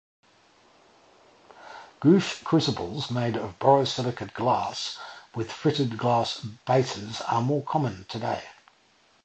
Gooch crucibles made of borosilicate glass with fritted glass bases are more common today.